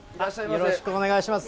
よろしくお願いします。